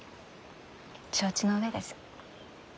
承知の上です。